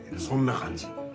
そんな感じ。